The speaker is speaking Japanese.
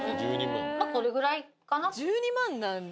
まぁこれぐらいかな？